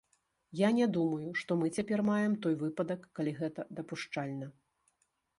Я не думаю, што мы цяпер маем той выпадак, калі гэта дапушчальна.